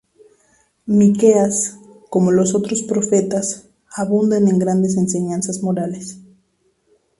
Miqueas, como los otros profetas, abundan en grandes enseñanzas morales.